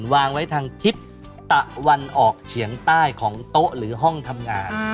วางไว้ทางทิศตะวันออกเฉียงใต้ของโต๊ะหรือห้องทำงาน